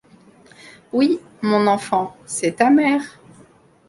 Oui, mon enfant, c’est ta mère...